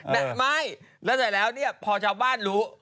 นั่นไม่แล้วถามหรือแน่วพอชาวบ้านรู้